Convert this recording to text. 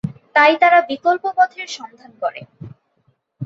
তাই তারা বিকল্প পথের সন্ধান করে।